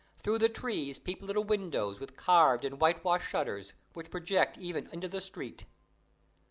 Through the trees peep little windows with carved and white washed shutters, which project even into the street.